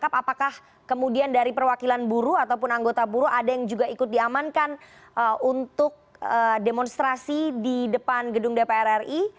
apakah kemudian dari perwakilan buruh ataupun anggota buruh ada yang juga ikut diamankan untuk demonstrasi di depan gedung dpr ri